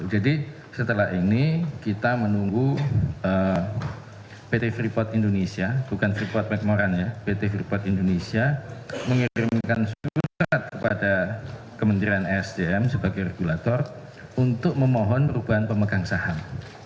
jadi setelah ini kita menunggu pt freeport indonesia bukan freeport mcmoran ya pt freeport indonesia mengirimkan surat kepada kementerian sdm sebagai regulator untuk memohon perubahan pemegang saham